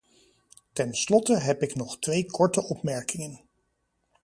Ten slotte heb ik nog twee korte opmerkingen.